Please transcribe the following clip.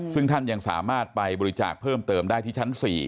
ซึ่งท่านยังสามารถไปบริจาคเพิ่มเติมได้ที่ชั้น๔